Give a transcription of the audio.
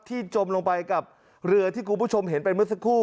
จมลงไปกับเรือที่คุณผู้ชมเห็นไปเมื่อสักครู่